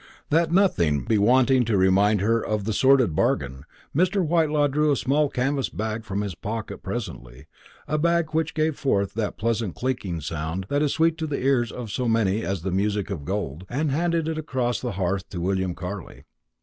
That nothing might be wanting to remind her of the sordid bargain, Mr. Whitelaw drew a small canvas bag from his pocket presently a bag which gave forth that pleasant chinking sound that is sweet to the ears of so many as the music of gold and handed it across the hearth to William Carley.